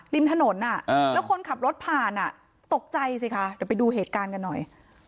ริมถนนแล้วคนขับรถผ่านตกใจสิคะเดี๋ยวไปดูเหตุการณ์กันหน่อย